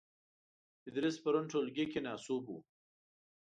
ادریس پرون ټولګې کې ناسوب وو .